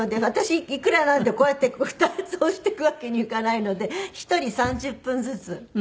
私いくらなんでもこうやって２つ押していくわけにいかないので１人３０分ずつ。